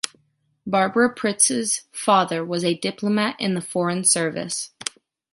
Barbara Pritz’s father was a diplomat in the foreign service.